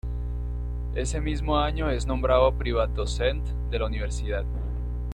En ese mismo año es nombrado "privatdozent" de la universidad.